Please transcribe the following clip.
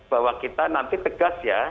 bahwa kita nanti tegas ya